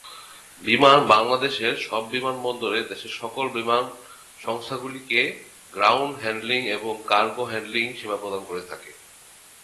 বিমান বাংলাদেশের সব বিমানবন্দরে দেশের সকল বিমান সংস্থাগুলিকে গ্রাউন্ড হ্যান্ডলিং এবং কার্গো হ্যান্ডলিং সেবা প্রদান করে থাকে।